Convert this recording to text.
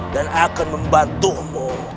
dan akan membantumu